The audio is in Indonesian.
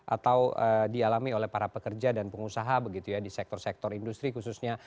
atau dialami oleh para pekerja dan pengusaha begitu ya di sektor sektor industri khususnya